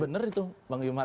benar itu bang yomar